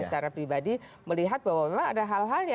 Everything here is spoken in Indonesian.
secara pribadi melihat bahwa memang ada hal halnya